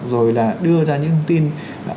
rồi là đưa ra những thông tin